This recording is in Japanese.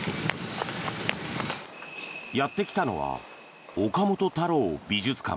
やってきたのは岡本太郎美術館。